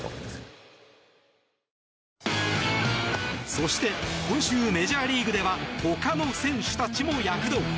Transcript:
そして、今週メジャーリーグではほかの選手たちも躍動。